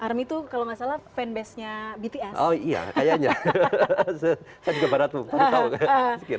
army itu kalau tidak salah fanbase nya bts